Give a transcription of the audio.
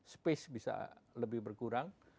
space bisa lebih berkurang